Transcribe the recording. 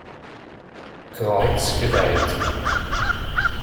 Kreuz“ geweiht.